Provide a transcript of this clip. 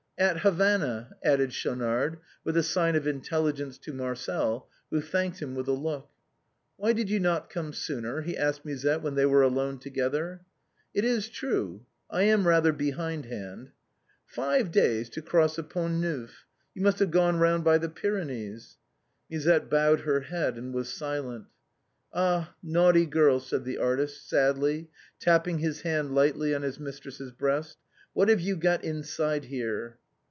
"At Havana," added Schaunard, with a sign of intelli gence to Marcel, who thanked him with a look. "Why did you not come sooner?" he asked Musette when they were alone together. " It is true, I am rather behindhand." " Five days to cross the Pont Neuf. You must have gone round by the Pyrenees " Musette bowed her head and was silent. " Ah, naughty girl," said the artist, sadly, tapping his hand lightly on his mistress's breast, "what have you got inside here